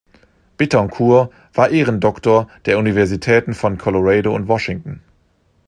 Betancur war Ehrendoktor der Universitäten von Colorado und Washington.